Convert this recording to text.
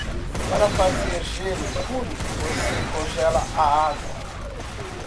Para fazer gelo puro?, você congela a água.